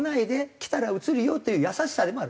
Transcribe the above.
来たらうつるよ」という優しさでもある。